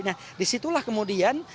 nah disitulah kemudian